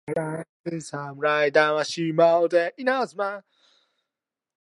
Therefore, the secondary is often referred to as the "donor star".